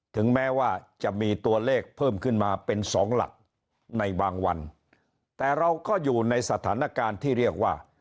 ถึงแม้ว่าจะมีตัวเลขเพิ่มขึ้นมาเป็นสองหลักในบางวันแต่เราก็อยู่ในสถานการณ์ที่เรียกว่า